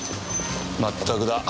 全くだ。